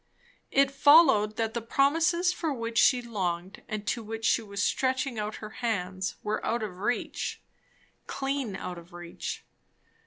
It followed that the promises for which she longed and to which she was stretching out her hands, were out of reach. Clean out of reach.